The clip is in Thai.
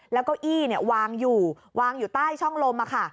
แล้วก็อี้วางอยู่วางอยู่ใต้ช่องลม